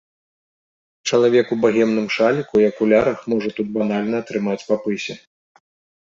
Чалавек у багемным шаліку і акулярах можа тут банальна атрымаць па пысе.